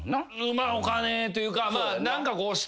まあお金というか何か。